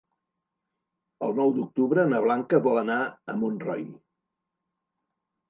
El nou d'octubre na Blanca vol anar a Montroi.